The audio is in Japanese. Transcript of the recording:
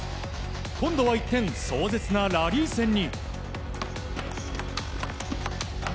今度は一転、壮絶なラリー戦に。